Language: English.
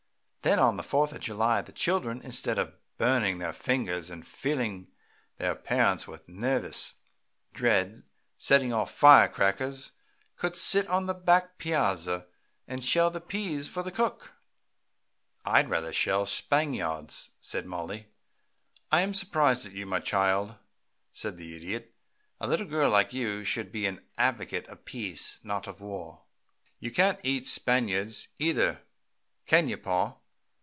Then on the Fourth of July the children, instead of burning their fingers and filling their parents with nervous dread setting off fire crackers, could sit out on the back piazza and shell the peas for the cook " "I'd rather shell Spangyards," said Mollie. "I am surprised at you, my child," said the Idiot. "A little girl like you should be an advocate of peace, not of war." "You can't eat Spaniards, either, can you, pa?"